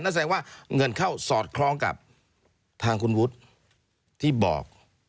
แสดงว่าเงินเข้าสอดคล้องกับทางคุณวุฒิที่บอก